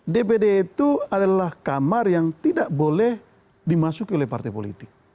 dpd itu adalah kamar yang tidak boleh dimasuki oleh partai politik